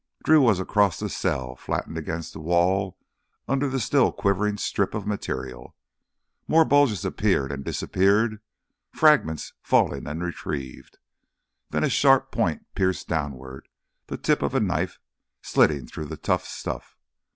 Drew was across the cell, flattened against the wall under the still quivering strip of material. More bulges appeared and disappeared, fragments fallen and retrieved. Then a sharp point pierced downward, the tip of a knife slitting the tough stuff.